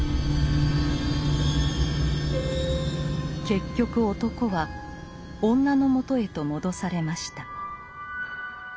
結局男は女の元へと戻されました。